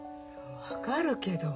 分かるけど。